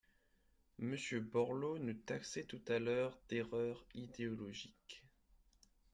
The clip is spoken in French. Monsieur Borloo nous taxait tout à l’heure d’erreur idéologique.